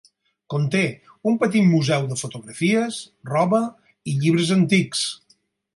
Conté un petit museu de fotografies, roba i llibres antics.